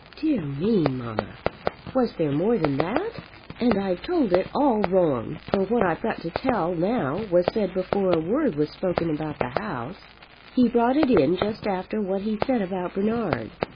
"Dear me, mamma; was there more than that?" "And I've told it all wrong; for what I've got to tell now was said before a word was spoken about the house. He brought it in just after what he said about Bernard.